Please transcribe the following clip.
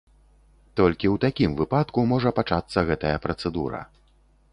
Толькі ў такім выпадку можа пачацца гэтая працэдура.